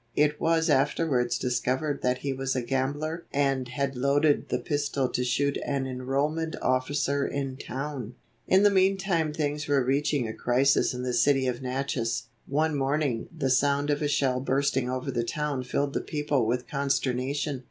It was afterwards discovered that he was a gambler and had loaded the pistol to shoot an enrollment officer in town. In the meantime things were reaching a crisis in the city of Natchez. One morning the sound of a shell bursting over the town filled the people with consternation.